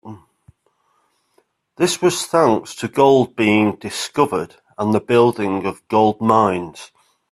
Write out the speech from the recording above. This was thanks to gold being discovered and the building of gold mines.